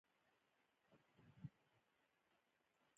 ځمکنی شکل د افغان ځوانانو د هیلو او ارمانونو استازیتوب کوي.